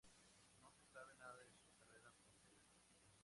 No se sabe nada de su carrera posterior.